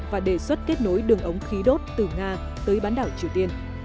và đề xuất kết nối đường ống khí đốt từ nga tới bán đảo triều tiên